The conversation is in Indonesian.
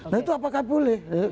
nah itu apakah boleh